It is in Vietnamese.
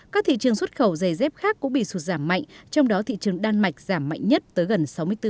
các thị trường xuất khẩu giày dép khác cũng bị sụt giảm mạnh trong đó thị trường đan mạch giảm mạnh nhất tới gần sáu mươi bốn